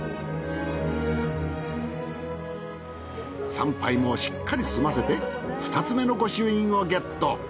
参拝もしっかりすませて２つめの御朱印をゲット。